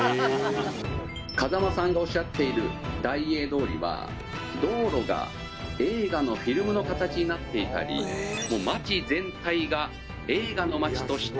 「風間さんがおっしゃっている大映通りは道路が映画のフィルムの形になっていたり街全体が映画の街としてとっても素敵なんです」